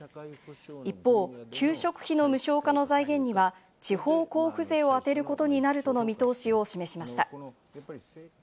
一方、給食費の無償化の財源には、地方交付税を充てることになるとの見通しを示しました。